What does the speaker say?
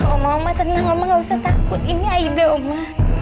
oma oma tenang oma gak usah takut ini ide oma